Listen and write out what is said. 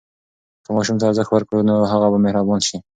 که ماشوم ته ارزښت ورکړو، نو هغه به مهربان شي.